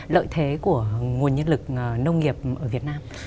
lợi thế của nguồn nhân lực nông nghiệp ở việt nam